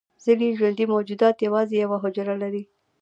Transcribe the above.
ځینې ژوندي موجودات یوازې یوه حجره لري